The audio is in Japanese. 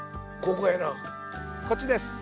こっちです。